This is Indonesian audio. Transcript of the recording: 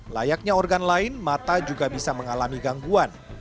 layaknya organ lain mata juga bisa mengalami gangguan